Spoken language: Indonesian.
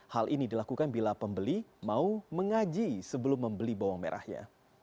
hal ini dilakukan bila pembeli mau mengaji sebelum membeli bawang merahnya